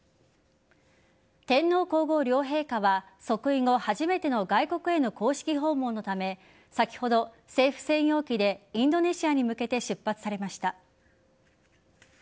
天皇皇后両陛下は即位後初めての外国への公式訪問のため先ほど政府専用機でインドネシアに向けて出発されました。